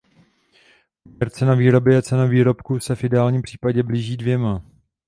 Poměr cena výroby a cena výrobku se v ideálním případě blíží dvěma.